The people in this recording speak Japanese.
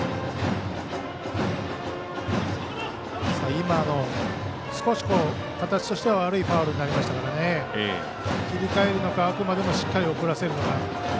今の、少し形としては悪いファウルになりましたから切り替えるのかあくまでもしっかり送らせるのか。